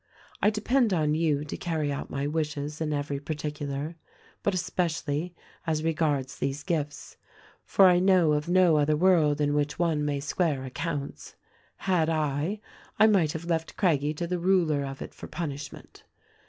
I depend on you to carry out my wishes in every particular, but especially as regards these gifts ; for I know of no other world in which one may square accounts. Had I, I might have left Craggie to the Ruler of it for punishment.